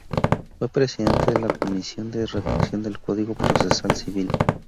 Fue Presidente de la Comisión de redacción del Código Procesal Civil.